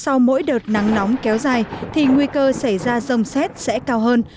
sau mỗi đợt nắng nóng kéo dài thì nguy cơ xảy ra rông xét sẽ cao hơn